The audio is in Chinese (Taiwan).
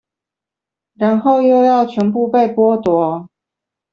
然後又要全部被剝奪